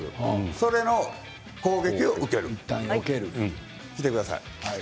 それの攻撃をよける。